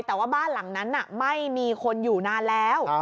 แต่ว่าบ้านหลังนั้นไม่มีคนอยู่นานแล้ว